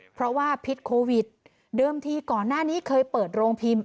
เพราะว่าพิษโควิดเดิมทีก่อนหน้านี้เคยเปิดโรงพิมพ์